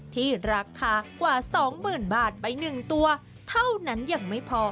ที่ราคากว่าสองหมื่นบาทไปหนึ่งตัวเท่านั้นอย่างไม่พอ